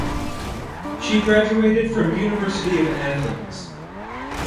She graduated from University of Athens.